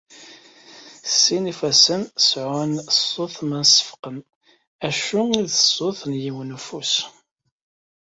Sin ifassen seεεun ṣṣut mi seffqen. Acu d ṣṣut n yiwen ufus?